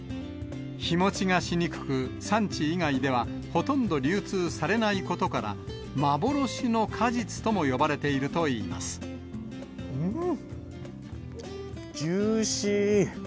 日持ちがしにくく、産地以外ではほとんど流通されないことから、幻の果実とも呼ばれうーん、ジューシー。